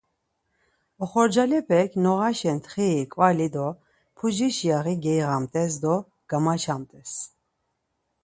Oxorcalepek noğaşa ntxiri, ǩvali do puciş yaği geyiğamt̆es do gamaçamt̆es.